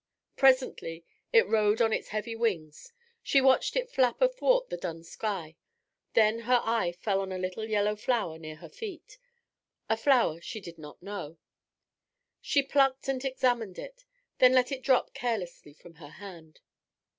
Presently it rose on its heavy wings; she watched it flap athwart the dun sky. Then her eye fell on a little yellow flower near her feet, a flower she did not know. She plucked and examined it, then let it drop carelessly from her hand.